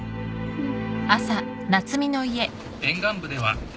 うん。